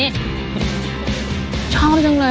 แดงขนร้อยแดงขนร้อย